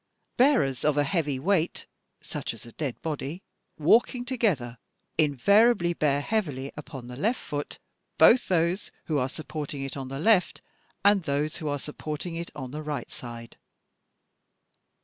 " Bearers of a heavy weight, such as a dead body, walking together, invariably bear heavily upon the left foot, both those who are sup porting it on the left, and those who are supporting it on the right side.